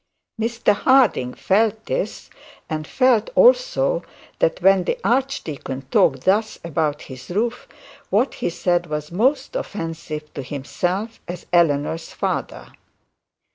Mr Harding felt this; and felt also that when the archdeacon talked thus about his roof, what he said was most offensive to himself as Eleanor's father.